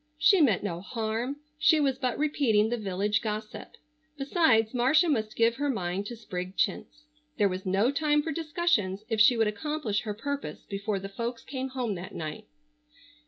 She meant no harm. She was but repeating the village gossip. Besides, Marcia must give her mind to sprigged chintz. There was no time for discussions if she would accomplish her purpose before the folks came home that night.